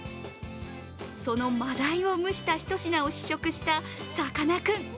そのまだいを蒸したひと品を試食したさかなクン。